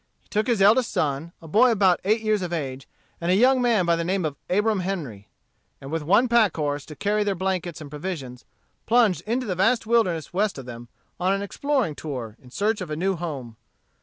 He took his eldest son, a boy about eight years of age, and a young man by the name of Abram Henry, and with one pack horse to carry their blankets and provisions, plunged into the vast wilderness west of them, on an exploring tour, in search of a new home.